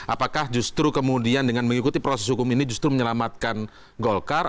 apakah justru kemudian dengan mengikuti proses hukum ini justru menyelamatkan golkar